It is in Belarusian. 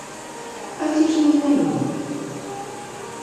А ці ж незнаёмыя?